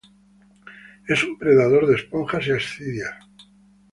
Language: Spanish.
Es un predador de esponjas y ascidias.